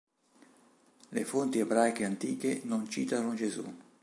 Le fonti ebraiche antiche non citano Gesù.